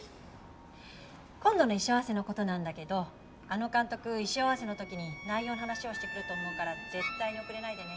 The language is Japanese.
今度の衣装合わせのことなんだけどあの監督衣装合わせのときに内容の話をしてくると思うから絶対に遅れないでね。